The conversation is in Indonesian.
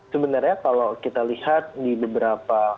sebenarnya kalau kita lihat di beberapa